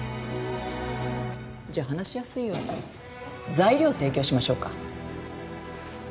じゃあ話しやすいように材料を提供しましょうか。